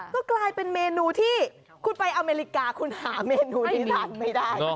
ก็กลายเป็นเมนูที่คุณไปอเมริกาคุณหาเมนูที่ร้านไม่ได้